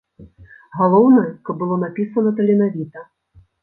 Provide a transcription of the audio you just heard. Галоўнае, каб было напісана таленавіта.